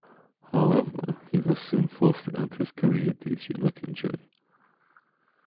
However, he was soon forced to end his career due to a neck injury.